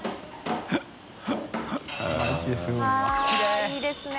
あぁいいですね。